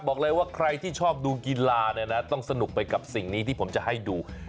บอกเลยว่าใครที่ชอบดูกีฬาเนี่ยนะต้องสนุกไปกับสิ่งนี้ที่ผมจะให้ดู